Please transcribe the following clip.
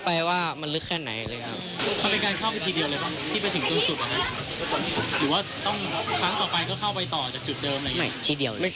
ครับครับทั้งสองครับ